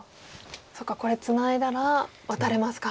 そっかこれツナいだらワタれますか。